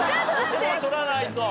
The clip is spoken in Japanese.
ここは取らないと。